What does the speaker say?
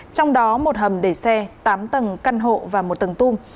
trong đó một hầm để xe tám tầng căn hộ và một tầng tung